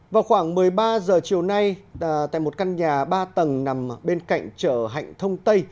vào khoảng một mươi ba h chiều nay tại một căn nhà ba tầng nằm bên cạnh chợ hạnh thông tây